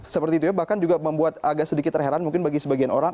seperti itu ya bahkan juga membuat agak sedikit terheran mungkin bagi sebagian orang